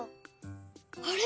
あれ？